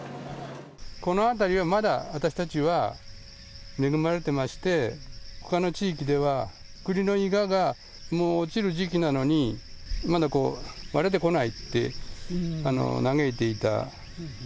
この辺りはまだ、私たちは恵まれてまして、ほかの地域では、栗のいががもう落ちる時期なのに、まだ割れてこないと嘆いていた。